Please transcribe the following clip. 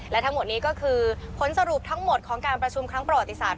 และทั้งหมดนี้ก็คือผลสรุปทั้งหมดของการประชุมครั้งประวัติศาสต